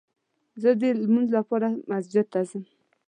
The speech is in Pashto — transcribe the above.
زه دلمونځ لپاره مسجد ته ځم